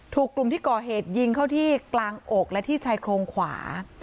ถูกกลุ่มที่ก่อเหตุยิงเข้าที่กลางอกและที่ชายโครงขวา